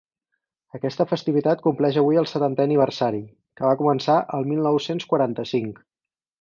Aquesta festivitat compleix avui el seu setantè aniversari, que va començar el mil nou-cents quaranta-cinc.